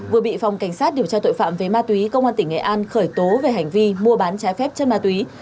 vừa bị phòng cảnh sát điều tra tội phạm về ma túy công an tỉnh nghệ an khởi tố về hành vi mua bán trái phép chất ma túy